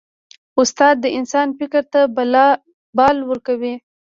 استاد د انسان فکر ته بال ورکوي.